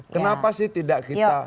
kenapa sih tidak kita